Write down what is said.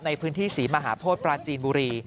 ในพื้นที่ศรีมหาโพธิปราจีนบุรี